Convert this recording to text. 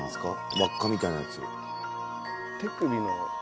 輪っかみたいなやつ。